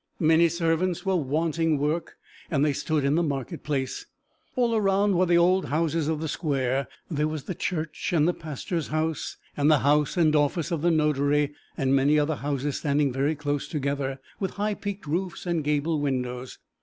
Many servants were wanting work, and they stood in the market place. All around were the old houses of the square; there was the church and the pastor's house, and the house and office of the notary, and many other houses standing very close together, with high peaked roofs and gable windows.